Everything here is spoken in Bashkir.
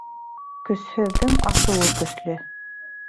Көсһөҙҙөң асыуы көслө.